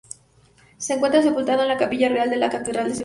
Se encuentra sepultado en la Capilla Real de la catedral de Sevilla.